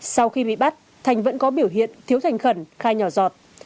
sau khi bị bắt thành vẫn có biểu hiện thiếu thành khẩn khai nhỏ giọt